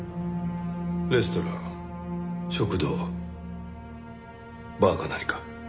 レストラン食堂バーか何か？